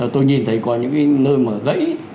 tôi nhìn thấy có những cái nơi mà gãy